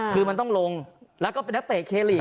คือมันต้องลงแล้วก็นักเตะเครีย์